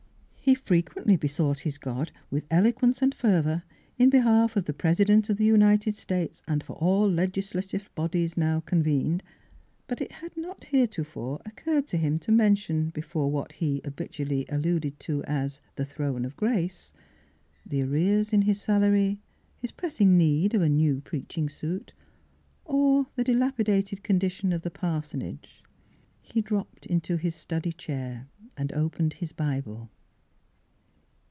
He frequently besought his God with eloquence and fervour in behalf of the President of the United States and for all legislative bodies now convened; but it had not heretofore occurred to him to Miss Fhilurds Wedding Gown Tnention before what he habitually alluded to as " the throne of Grace " the arrears in his salary, his pressing need of a new preaching suit, or the dilapidated condi tion of the parsonage. He dropped into his study chair and opened his Bible.